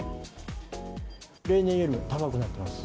例年よりも高くなってます。